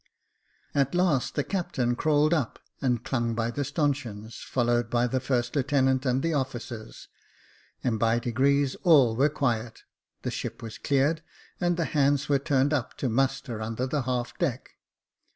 At last the captain crawled up, and clung by the stanchions, followed by the first lieutenant and the officers, and by degrees all was quiet, the ship was cleared, and the hands were turned up to ^muster under the half deck.